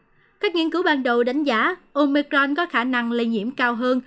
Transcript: và các nghiên cứu ban đầu đánh giá omicron có khả năng lây nhiễm cao hơn